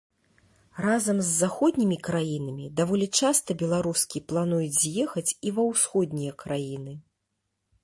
Разам з заходнімі краінамі даволі часта беларускі плануюць з'ехаць і ва ўсходнія краіны.